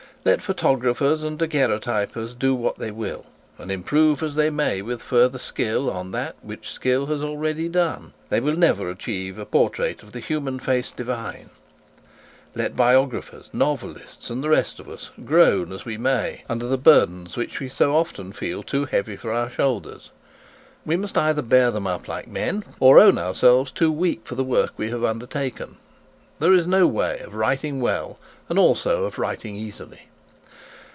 Let photographers and daguerreotypers do what they will, and improve as they may with further skill on that which skill has already done, they will never achieve a portrait of the human face as we may under the burdens which we so often feel too heavy for our shoulders; we must either bear them up like men, or own ourselves too weak for the work we have undertaken. There is no way of writing well and also of writing easily.